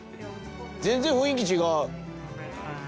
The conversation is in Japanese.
全然雰囲気違う！